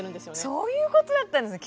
そういうことだったんですね。